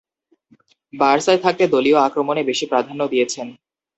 বার্সায় থাকতে দলীয় আক্রমণে বেশি প্রাধান্য দিয়েছেন।